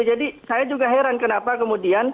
jadi saya juga heran kenapa kemudian